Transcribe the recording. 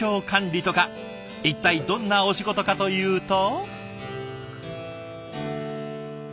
一体どんなお仕事かというと？